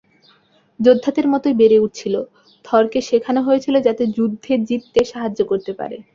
যোদ্ধাদের মতোই বেড়ে উঠছিল, থরকে শেখানো হয়েছিল যাতে যুদ্ধে জিততে সাহায্য করতে পারে।